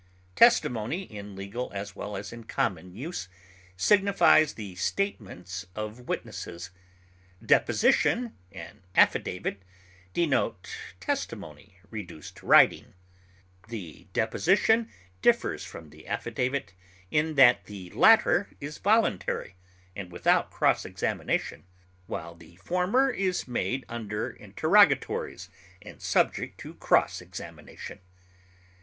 Testimony, in legal as well as in common use, signifies the statements of witnesses. Deposition and affidavit denote testimony reduced to writing; the deposition differs from the affidavit in that the latter is voluntary and without cross examination, while the former is made under interrogatories and subject to cross examination.